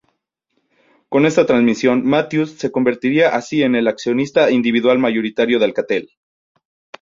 Con esta transacción, Matthews se convertía así en el accionista individual mayoritario de Alcatel.